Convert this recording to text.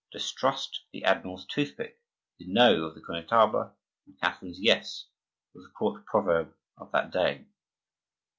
"Distrust the admiral's toothpick, the No of the Connetable, and Catherine's Yes," was a court proverb of that day.